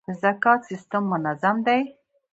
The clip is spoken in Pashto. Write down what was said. د زکات سیستم منظم دی؟